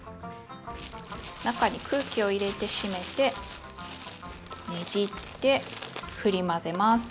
中に空気を入れて閉めてねじってふり混ぜます。